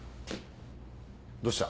どうした？